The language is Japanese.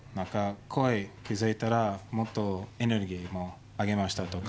何か声、気付いたらもっとエネルギーあげましたとか。